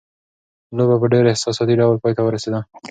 لوبه په ډېر احساساتي ډول پای ته ورسېده.